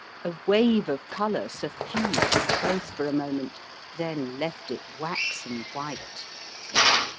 A wave of colour suffused his face for a moment., then left it waxen white.